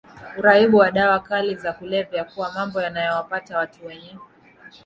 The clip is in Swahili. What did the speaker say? uraibu wa dawa kali za kulevya kuwa mambo yanayowapata watu wenye